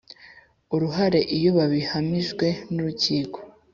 uruhare iyo babihamijwe n urukiko